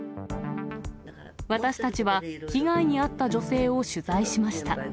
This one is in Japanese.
私たちは、被害に遭った女性を取材しました。